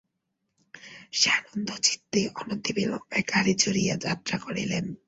সানন্দচিত্তে অনতিবিলম্বে গাড়ি চড়িয়া যাত্রা করিলেন।